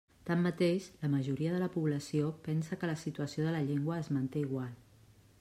Tanmateix, la majoria de la població pensa que la situació de la llengua es manté igual.